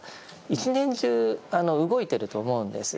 一年中動いてると思うんです。